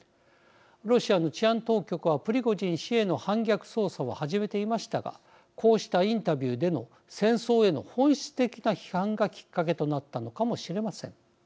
ロシアの治安当局はプリゴジン氏への反逆捜査を始めていましたがこうしたインタビューでの戦争への本質的な批判がきっかけとなったのかもしれません。